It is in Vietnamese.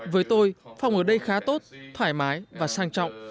với tôi phòng ở đây khá tốt thoải mái và sang trọng